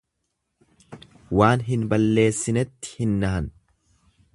Waan hin balleessinetti hin nahan.